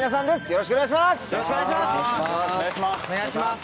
よろしくお願いします。